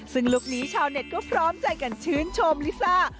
ซึ่งลุคนี้ชาวเน็ตก็พร้อมใจกันชื่นชมลิซ่า